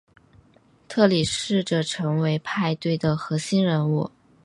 特里试着成为派对的核心人物。